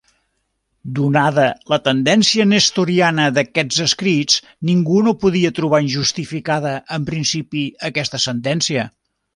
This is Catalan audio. Donada la tendència nestoriana d'aquests escrits, ningú no podia trobar injustificada, en principi, aquesta sentència.